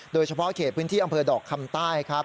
โดยเฉพาะเขตพื้นที่อำเภอดอกคำใต้ครับ